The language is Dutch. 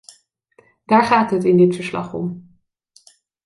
Daar gaat het in dit verslag om.